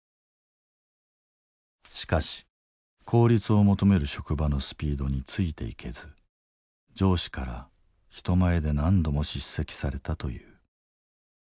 しかし効率を求める職場のスピードについていけず上司から人前で何度も叱責されたという。